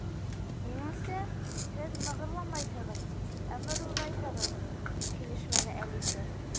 — Минеңсә, һеҙ мығырламайһығыҙ, ә мырылдайһығыҙ, — тип килешмәне Әлисә.